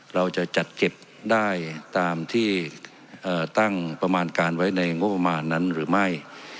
เราจะจัดเก็บได้ตามที่ตั้งประมาณการไว้ในงบประมาณนั้นหรือไม่